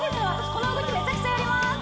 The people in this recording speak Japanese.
この動きめちゃくちゃやります